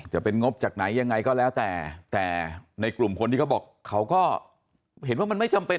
จะเป็นงบจากไหนยังไงก็แล้วแต่แต่ในกลุ่มคนที่เขาบอกเขาก็เห็นว่ามันไม่จำเป็น